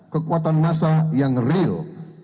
kekuatan massa yang real